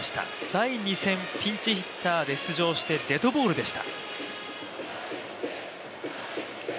第２戦、ピンチヒッターで出場してデッドボールでした。